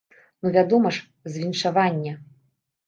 Ну вядома ж, з віншавання!